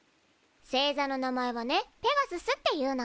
星座の名前はね「ペガスス」っていうの。